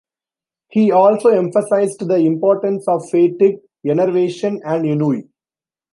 He also emphasized the importance of "fatigue", "enervation" and "ennui".